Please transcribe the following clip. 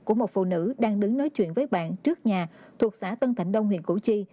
của một phụ nữ đang đứng nói chuyện với bạn trước nhà thuộc xã tân thạnh đông huyện củ chi